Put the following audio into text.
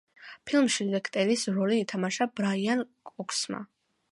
ფილმში ლექტერის როლი ითამაშა ბრაიან კოქსმა.